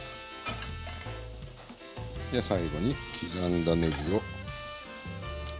で最後に刻んだねぎを。